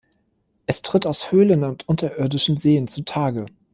Es tritt aus Höhlen und unterirdischen Seen zutage.